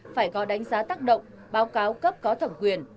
phải có đánh giá tác động báo cáo cấp có thẩm quyền